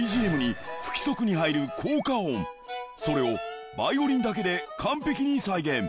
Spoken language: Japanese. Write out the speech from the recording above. それをバイオリンだけで完璧に再現